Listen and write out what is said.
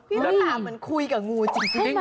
พี่รัตตามันคุยกับงูจริง